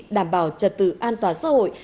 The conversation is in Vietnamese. đảm bảo trật tự an toàn xã hội